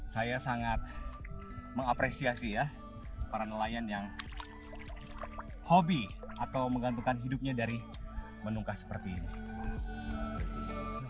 saya sangat mengapresiasi ya para nelayan yang hobi atau menggantungkan hidupnya dari menungkah seperti ini